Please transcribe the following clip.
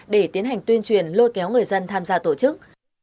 để tiến hành tuyên truyền lôi kéo người dân tham gia tổ chức